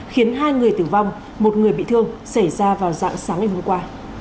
khiến hai người tử vong một người bị thương xảy ra vào dạng sáng ngày hôm qua